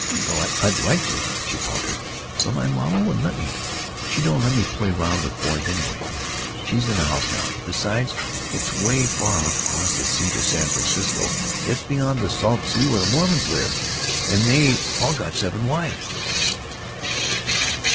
"Oh no. I'd like to," she faltered, "but my mamma wouldn't let me. She don't let me play around with boys, anyway. She's in the house now. And besides, it's 'way far off across the sea, to San Francisco; it's beyond the salt sea where the Mormons live, and they all got seven wives."